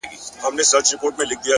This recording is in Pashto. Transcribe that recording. مهرباني د زړه ژبه ده!